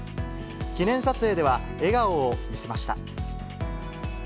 記念撮影では、笑顔を見せました。